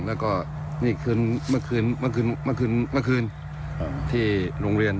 แล้วก็นี่คืนเมื่อคืนเมื่อคืนเมื่อคืนเมื่อคืนอ่าที่โรงเรียน